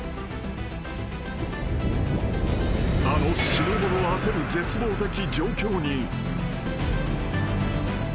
［あの死ぬほど焦る絶望的状況に］